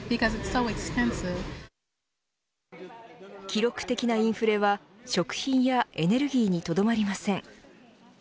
記録的なインフレは食品やエネルギーにとどまりません。